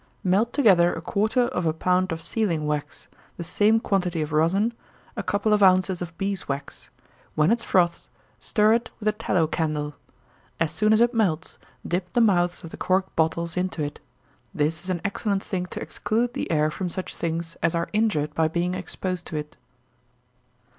_ Melt together a quarter of a pound of sealing wax, the same quantity of rosin, a couple of ounces of bees' wax. When it froths, stir it with a tallow candle. As soon as it melts, dip the mouths of the corked bottles into it. This is an excellent thing to exclude the air from such things as are injured by being exposed to it.